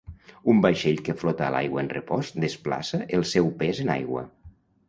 Un vaixell que flota a l’aigua en repòs desplaça el seu pes en aigua.